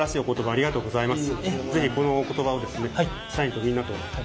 ありがとうございます。